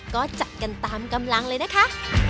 ก็จัดกันตามกำลังเลยนะคะ